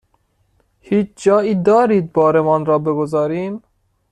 هیچ جایی دارید بارمان را بگذاریم؟